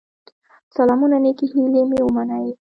سلامونه نيکي هيلي مي ومنئ